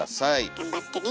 頑張ってね。